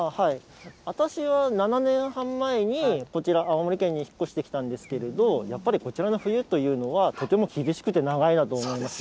私は７年半前にこちら、青森県に引っ越してきたんですけれども、やっぱりこちらの冬というのは、とても厳しくて長いなと思いました。